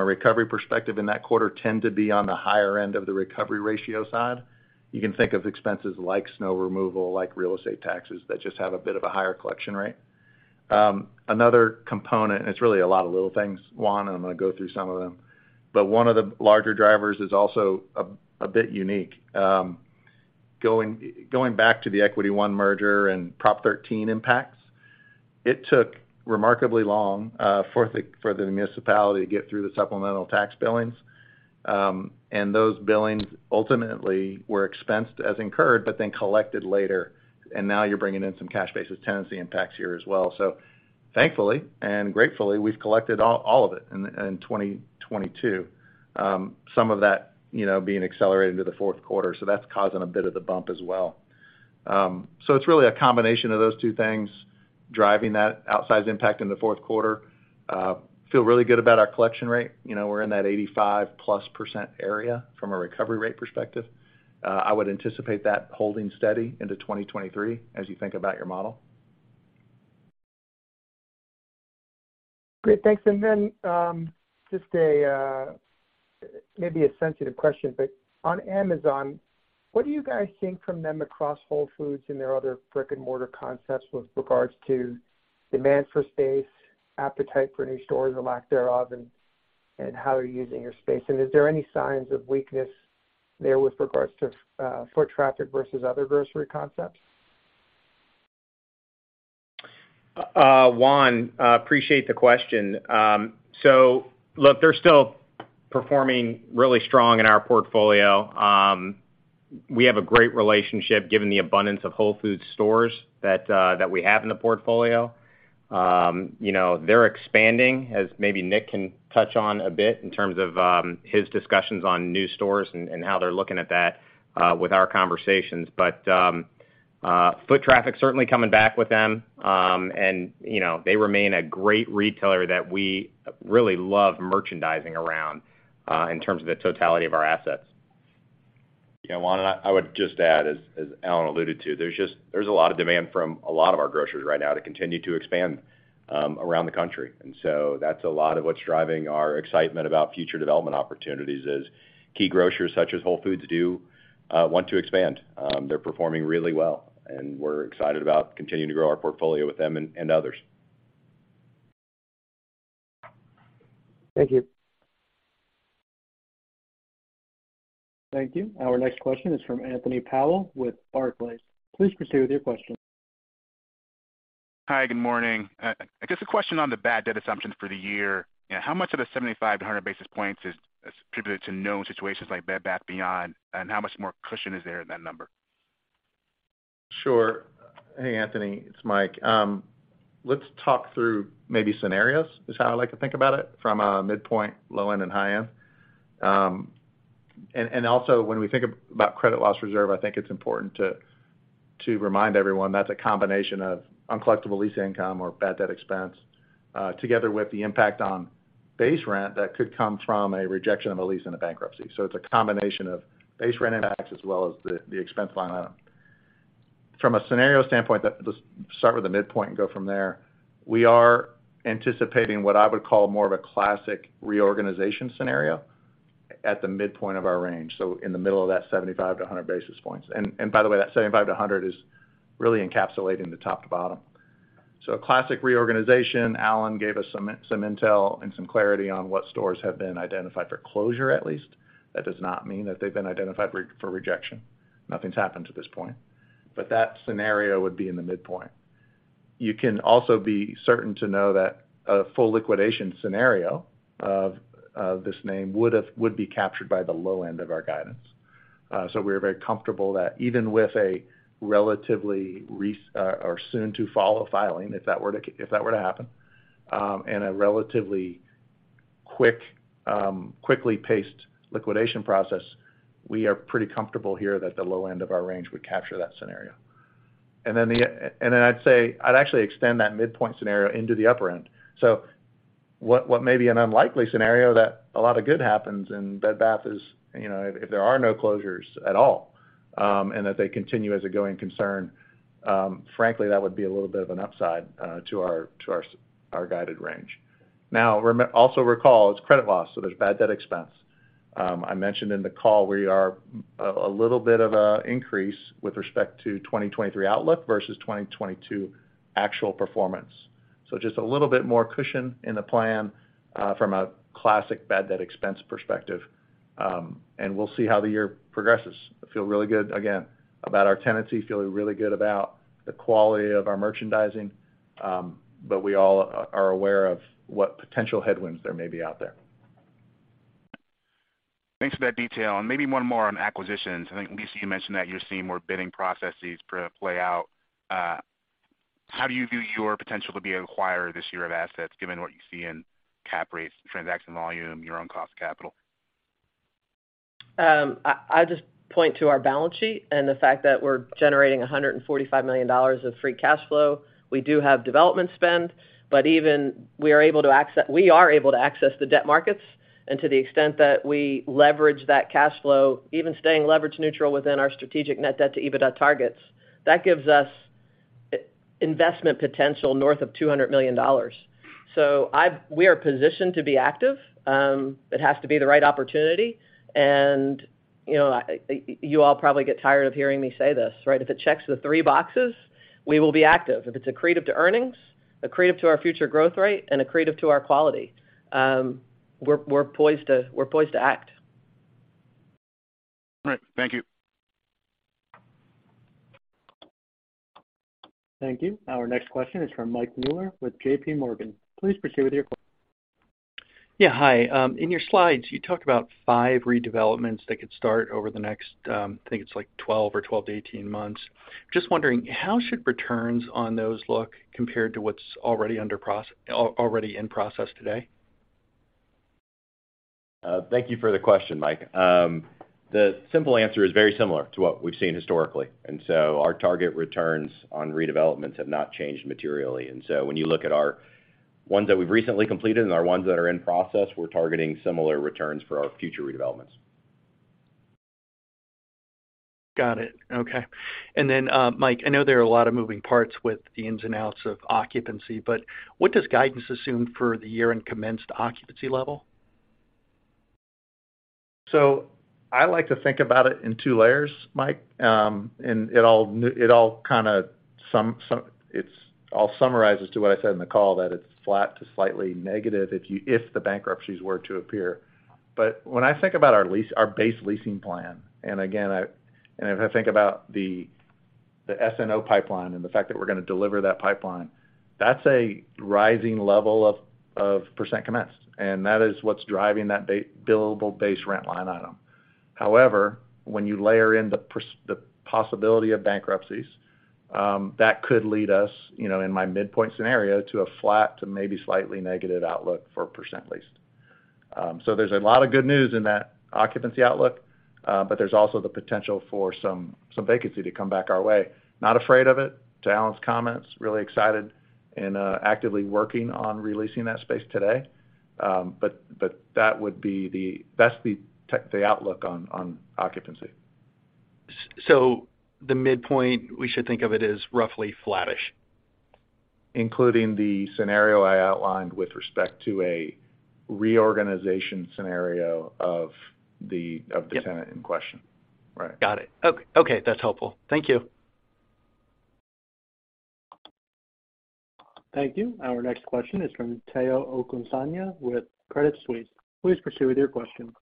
recovery perspective in that quarter tend to be on the higher end of the recovery ratio side. You can think of expenses like snow removal, like real estate taxes that just have a bit of a higher collection rate. Another component, and it's really a lot of little things, Juan, and I'm gonna go through some of them, but one of the larger drivers is also a bit unique. Going back to the Equity One merger and Prop 13 impacts, it took remarkably long for the municipality to get through the supplemental tax billings. Those billings ultimately were expensed as incurred, but then collected later. Now you're bringing in some cash-basis tenancy impacts here as well. Thankfully and gratefully, we've collected all of it in 2022. Some of that, you know, being accelerated to the fourth quarter. That's causing a bit of the bump as well. It's really a combination of those two things driving that outsized impact in the fourth quarter. Feel really good about our collection rate. You know, we're in that 85%+ area from a recovery rate perspective. I would anticipate that holding steady into 2023 as you think about your model. Great. Thanks. Just a maybe a sensitive question, but on Amazon, what do you guys think from them across Whole Foods and their other brick-and-mortar concepts with regards to demand for space, appetite for new stores or lack thereof, and how you're using your space? Is there any signs of weakness there with regards to foot traffic versus other grocery concepts? Juan, appreciate the question. Look, they're still performing really strong in our portfolio. We have a great relationship given the abundance of Whole Foods stores that we have in the portfolio. You know, they're expanding, as maybe Nick can touch on a bit in terms of his discussions on new stores and how they're looking at that with our conversations. Foot traffic certainly coming back with them, and, you know, they remain a great retailer that we really love merchandising around in terms of the totality of our assets. Juan, I would just add, as Alan alluded to, there's a lot of demand from a lot of our grocers right now to continue to expand around the country. That's a lot of what's driving our excitement about future development opportunities is key grocers such as Whole Foods do want to expand. They're performing really well, and we're excited about continuing to grow our portfolio with them and others. Thank you. Thank you. Our next question is from Anthony Powell with Barclays. Please proceed with your question. Hi, good morning. I guess a question on the bad debt assumptions for the year. Yeah, how much of the 75 basis points and 100 basis points is attributed to known situations like Bed Bath & Beyond, and how much more cushion is there in that number? Sure. Hey, Anthony, it's Mike. Let's talk through maybe scenarios, is how I like to think about it, from a midpoint, low-end and high-end. And also when we think about credit-loss reserve, I think it's important to remind everyone that's a combination of uncollectible lease income or bad-debt expense, together with the impact on base rent that could come from a rejection of a lease in a bankruptcy. It's a combination of base rent and tax as well as the expense line item. From a scenario standpoint, let's start with the midpoint and go from there. We are anticipating what I would call more of a classic reorganization scenario at the midpoint of our range, so in the middle of that 75 basis points and 100 basis points. By the way, that 75 basis points-100 basis points is really encapsulating the top to bottom. A classic reorganization, Alan gave us some intel and some clarity on what stores have been identified for closure, at least. That does not mean that they've been identified for rejection. Nothing's happened to this point. That scenario would be in the midpoint. You can also be certain to know that a full-liquidation scenario of this name would be captured by the low-end of our guidance. We are very comfortable that even with a relatively soon-to-follow filing, if that were to happen, and a relatively quick, quickly-paced liquidation process, we are pretty comfortable here that the low-end of our range would capture that scenario. Then the... I'd say I'd actually extend that midpoint scenario into the upper-end. What may be an unlikely scenario that a lot of good happens and Bed Bath is, you know, if there are no closures at all, and that they continue as a going concern, frankly, that would be a little bit of an upside to our guided range. Now, also recall it's credit-loss, so there's bad-debt expense. I mentioned in the call we are a little bit of an increase with respect to 2023 outlook versus 2022 actual performance. Just a little bit more cushion in the plan from a classic bad-debt expense perspective, and we'll see how the year progresses. I feel really good, again, about our tenancy, feeling really good about the quality of our merchandising, but we all are aware of what potential headwinds there may be out there. Thanks for that detail. Maybe one more on acquisitions. I think, Lisa, you mentioned that you're seeing more bidding processes play out. How do you view your potential to be acquired this year of assets given what you see in cap rates, transaction volume, your own cost of capital? I just point to our balance sheet and the fact that we're generating $145 million of free cash flow. We do have development spend, but even we are able to access the debt markets. To the extent that we leverage that cash flow, even staying leverage neutral within our strategic-net debt to EBITDA targets, that gives us investment potential north of $200 million. We are positioned to be active. It has to be the right opportunity. You know, you all probably get tired of hearing me say this, right? If it checks the three boxes, we will be active. If it's accretive to earnings, accretive to our future growth rate, and accretive to our quality, we're poised to act. All right. Thank you. Thank you. Our next question is from Mike Mueller with JPMorgan. Please proceed with your question. Yeah, hi. In your slides, you talk about five redevelopments that could start over the next, I think it's like 12 or 12-18 months. Just wondering, how should returns on those look compared to what's already in process today? Thank you for the question, Mike. The simple answer is very similar to what we've seen historically. Our target returns on redevelopments have not changed materially. When you look at our ones that we've recently completed and our ones that are in process, we're targeting similar returns for our future redevelopments. Got it. Okay. Then, Mike, I know there are a lot of moving parts with the ins and outs of occupancy, but what does guidance assume for the year and commenced occupancy level? I like to think about it in two layers, Mike. It all kind of summarizes to what I said in the call, that it's flat to slightly negative if you, if the bankruptcies were to appear. When I think about our lease, our base-leasing plan, and again, I, and if I think about the SNO pipeline and the fact that we're going to deliver that pipeline, that's a rising level of % commenced, and that is what's driving that billable base-rent line item. However, when you layer in the possibility of bankruptcies, that could lead us, you know, in my midpoint scenario, to a flat to maybe slightly negative outlook for % leased. There's a lot of good news in that occupancy outlook, but there's also the potential for some vacancy to come back our way. Not afraid of it, to Alan's comments, really excited and actively working on re-leasing that space today. That would be the outlook on occupancy. The midpoint, we should think of it as roughly flattish. Including the scenario I outlined with respect to a reorganization scenario of. Yep. Of the tenant in question. Right. Got it. Okay, that's helpful. Thank you. Thank you. Our next question is from Tayo Okusanya with Credit Suisse. Please proceed with your question.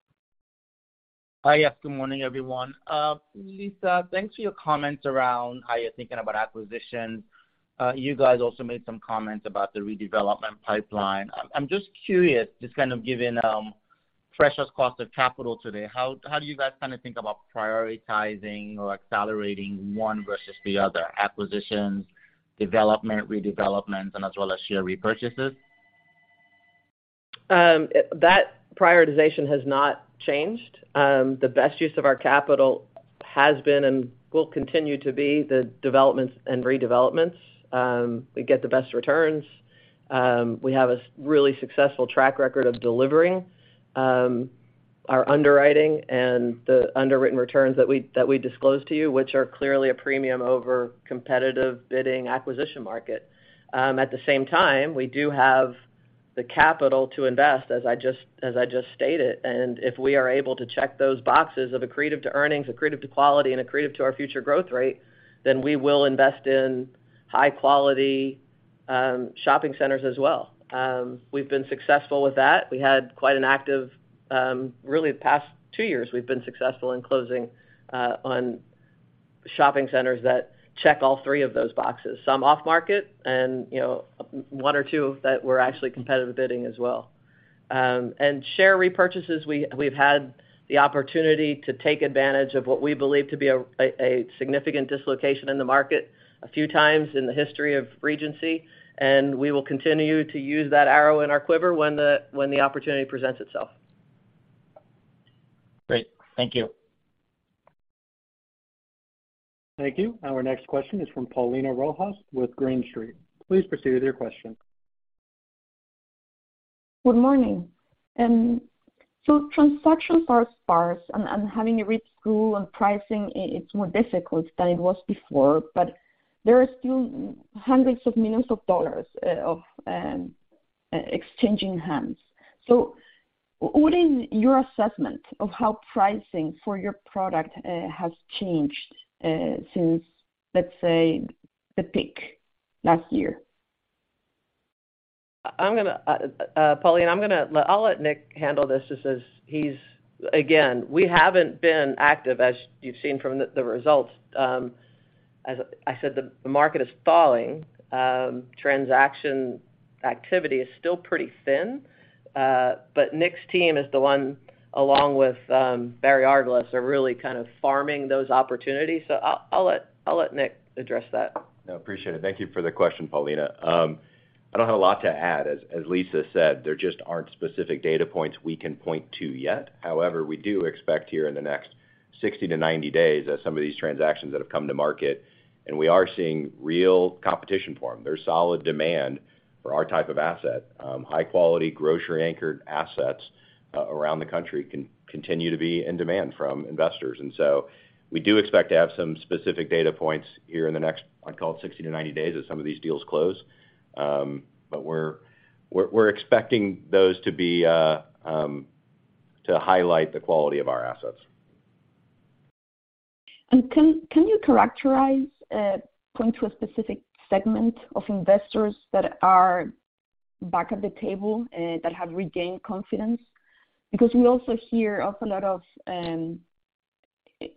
Hi. Yes, good morning, everyone. Lisa, thanks for your comments around how you're thinking about acquisition. You guys also made some comments about the redevelopment pipeline. I'm just curious, just kind of given precious cost of capital today, how do you guys kind of think about prioritizing or accelerating one versus the other, acquisitions, development, redevelopments, and as well as share repurchases? That prioritization has not changed. The best use of our capital has been and will continue to be the developments and redevelopments. We get the best returns. We have a really successful track record of delivering, our underwriting and the underwritten returns that we disclose to you, which are clearly a premium over competitive bidding-acquisition market. At the same time, we do have the capital to invest, as I just stated. If we are able to check those boxes of accretive-to-earnings, accretive-to-quality and accretive-to-our-future-growth-rate, then we will invest in high-quality shopping centers as well. We've been successful with that. We had quite an active, really the past two years, we've been successful in closing on shopping centers that check all three of those boxes, some off-market and, you know, one or two that were actually competitive bidding as well. Share repurchases, we've had the opportunity to take advantage of what we believe to be a significant dislocation in the market a few times in the history of Regency, and we will continue to use that arrow in our quiver when the opportunity presents itself. Great. Thank you. Thank you. Our next question is from Paulina Rojas with Green Street. Please proceed with your question. Good morning. Transactions are sparse, and having a rich [market] and pricing, it's more difficult than it was before. There are still hundreds of millions of dollars of exchanging hands. What is your assessment of how pricing for your product has changed since, let's say, the peak last year? Paulina, I'll let Nick handle this just as he's... Again, we haven't been active, as you've seen from the results. As I said, the market is falling. Nick's team is the one, along with Barry Argalas, are really kind of farming those opportunities. I'll let Nick address that. No, appreciate it. Thank you for the question, Paulina. I don't have a lot to add. As Lisa said, there just aren't specific data points we can point to yet. However, we do expect here in the next 60 to 90 days as some of these transactions that have come to market, and we are seeing real competition for them. There's solid demand for our type of asset. High-quality, grocery-anchored assets around the country continue to be in demand from investors. We do expect to have some specific data points here in the next, I'd call it 60 to 90 days, as some of these deals close. We're expecting those to be to highlight the quality of our assets. Can you characterize, point to a specific segment of investors that are back at the table, that have regained confidence? We also hear of a lot of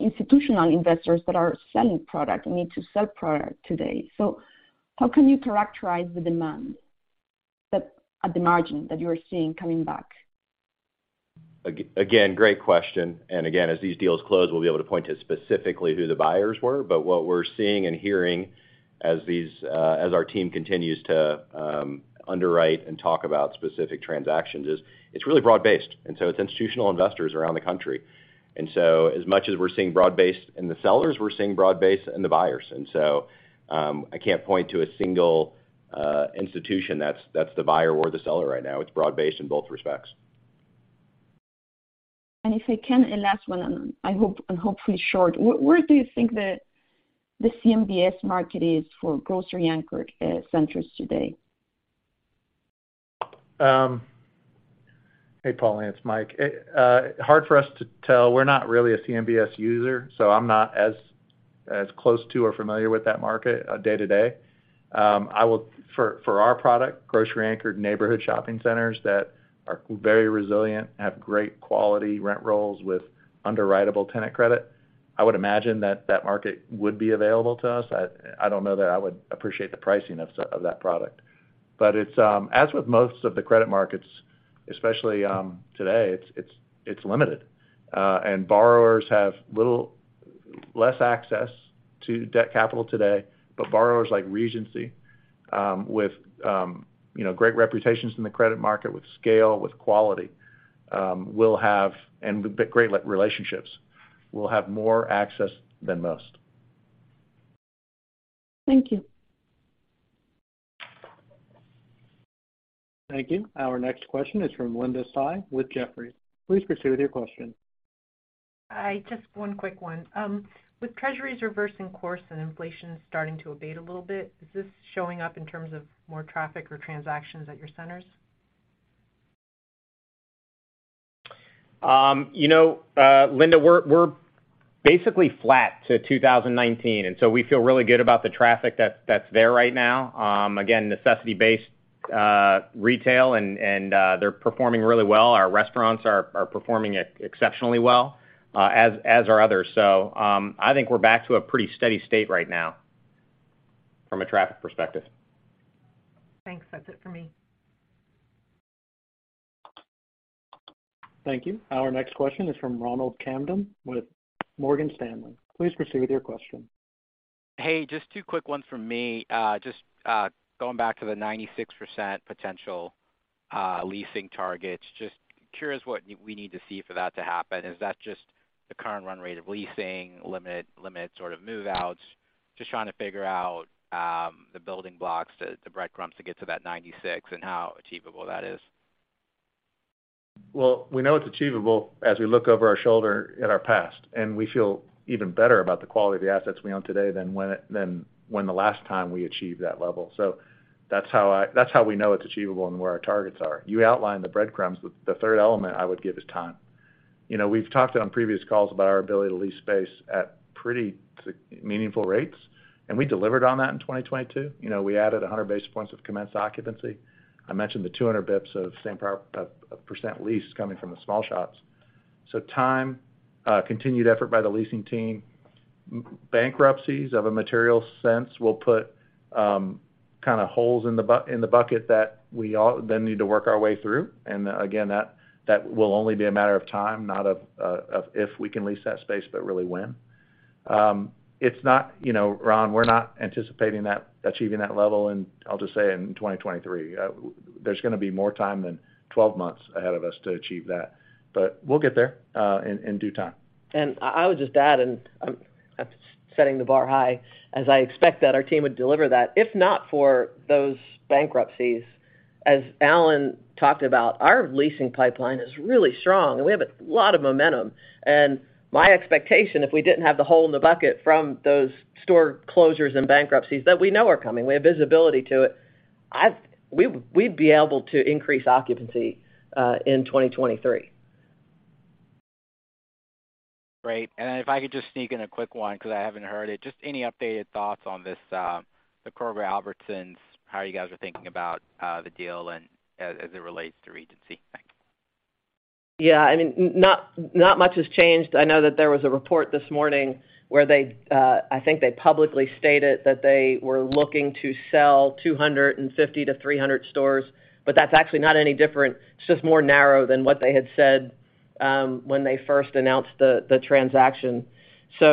institutional investors that are selling product, need to sell product today. How can you characterize the demand at the margin that you are seeing coming back? Again, great question. Again, as these deals close, we'll be able to point to specifically who the buyers were. But what we're seeing and hearing as these, as our team continues to underwrite and talk about specific transactions is it's really broad-based, it's institutional investors around the country. As much as we're seeing broad-based in the sellers, we're seeing broad-based in the buyers. I can't point to a single institution that's the buyer or the seller right now. It's broad-based in both respects. If I can, a last one, I hope pretty short. Where do you think the CMBS market is for grocery-anchored centers today? Hey, Paulina, it's Mike. It, hard for us to tell. We're not really a CMBS user, so I'm not as close to or familiar with that market day-to-day. I will for our product, grocery-anchored neighborhood shopping centers that are very resilient, have great quality rent rolls with underwriteable tenant credit, I would imagine that that market would be available to us. I don't know that I would appreciate the pricing of that product. It's, as with most of the credit markets, especially today, it's limited. Borrowers have less access to debt capital today. Borrowers like Regency, with, you know, great reputations in the credit market, with scale, with quality, will have and with great relationships, will have more access than most. Thank you. Thank you. Our next question is from Linda Tsai with Jefferies. Please proceed with your question. Hi. Just one quick one. With treasuries reversing course and inflation starting to abate a little bit, is this showing up in terms of more traffic or transactions at your centers? You know, Linda, we're basically flat to 2019, and so we feel really good about the traffic that's there right now. Again, necessity-based retail and they're performing really well. Our restaurants are performing exceptionally well as are others. I think we're back to a pretty steady state right now from a traffic perspective. Thanks. That's it for me. Thank you. Our next question is from Ronald Kamdem with Morgan Stanley. Please proceed with your question. Hey, just two quick ones from me. Just going back to the 96% potential leasing targets. Just curious what we need to see for that to happen? Is that just the current run rate of leasing, limit sort of move-outs? Just trying to figure out the building blocks to, the breadcrumbs to get to that 96% and how achievable that is? We know it's achievable as we look over our shoulder at our past, and we feel even better about the quality of the assets we own today than when the last time we achieved that level. That's how we know it's achievable and where our targets are. You outlined the breadcrumbs. The third element I would give is time. You know, we've talked on previous calls about our ability to lease space at pretty meaningful rates, and we delivered on that in 2022. You know, we added 100 basis points of commenced occupancy. I mentioned the 200 basis points of same % lease coming from the small shops. Time, continued effort by the leasing team. Bankruptcies of a material sense will put kind of holes in the bucket that we all then need to work our way through. Again, that will only be a matter of time, not of if we can lease that space, but really when. It's not, you know, Ron, we're not anticipating achieving that level in, I'll just say, in 2023. There's gonna be more time than 12 months ahead of us to achieve that, but we'll get there in due time. I would just add, that's setting the bar high, as I expect that our team would deliver that. If not for those bankruptcies, as Alan talked about, our leasing pipeline is really strong, and we have a lot of momentum. My expectation, if we didn't have the hole in the bucket from those store closures and bankruptcies that we know are coming, we have visibility to it, we'd be able to increase occupancy in 2023. Great. Then if I could just sneak in a quick one 'cause I haven't heard it. Just any updated thoughts on this, the Kroger/Albertsons, how you guys are thinking about the deal and as it relates to Regency. Thank you. Yeah, I mean, not much has changed. I know that there was a report this morning where they, I think they publicly stated that they were looking to sell 250 to 300 stores. That's actually not any different, it's just more narrow than what they had said when they first announced the transaction. You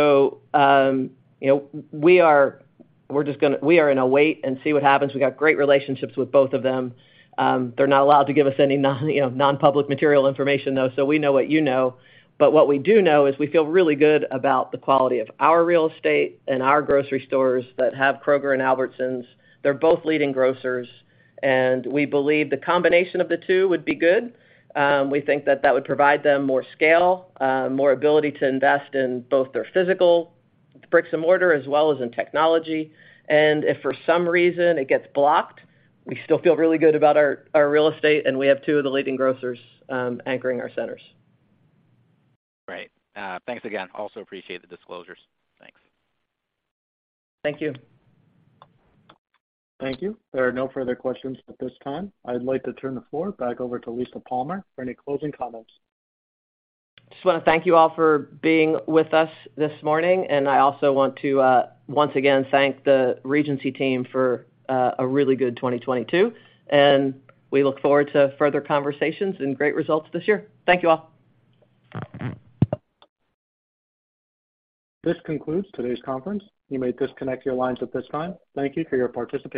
know, we are in a wait and see what happens. We got great relationships with both of them. They're not allowed to give us any non-public material information, though, so we know what you know. What we do know is we feel really good about the quality of our real estate and our grocery stores that have Kroger and Albertsons. They're both leading grocers, and we believe the combination of the two would be good. We think that that would provide them more scale, more ability to invest in both their physical bricks-and-mortar as well as in technology. If for some reason it gets blocked, we still feel really good about our real estate, and we have two of the leading grocers, anchoring our centers. Great. Thanks again. Appreciate the disclosures. Thanks. Thank you. Thank you. There are no further questions at this time. I'd like to turn the floor back over to Lisa Palmer for any closing comments. Just wanna thank you all for being with us this morning, and I also want to, once again, thank the Regency team for a really good 2022. We look forward to further conversations and great results this year. Thank you all. This concludes today's conference. You may disconnect your lines at this time. Thank you for your participation.